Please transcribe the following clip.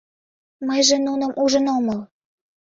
Мыйже нуным ужын омыл!